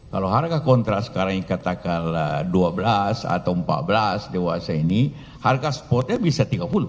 kalau harga kontra sekarang katakanlah dua belas atau empat belas dewasa ini harga spotnya bisa tiga puluh